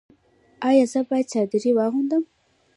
ایا زه باید چادري واغوندم؟